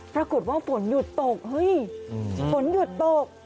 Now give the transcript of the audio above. ปรากฏว่าฝนหยุดตกเฮ้ยฝนหยุดตก